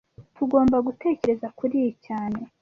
Tugomba gutekereza kuri iyi cyane